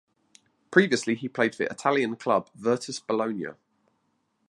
Previously he played for Italian club Virtus Bologna.